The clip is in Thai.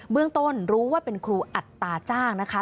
เมืองต้นรู้ว่าเป็นครูอัตราจ้างนะคะ